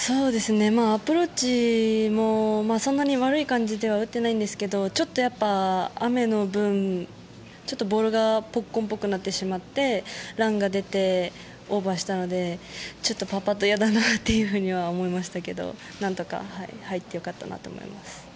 アプローチもそんなに悪い感じでは打っていないんですけどちょっと雨の分ボールが動かなくなってしまってランが出てオーバーしたのでパーパット、嫌だなというふうに思いましたけど何とか入ってよかったなと思います。